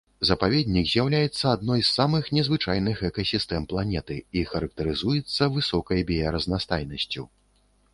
Запаведнік з'яўляецца адной з самых незвычайных экасістэм планеты і характарызуецца высокай біяразнастайнасцю.